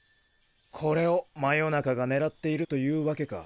これを魔夜中が狙っているというワケか。